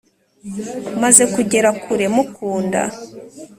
maze kugera kure mukunda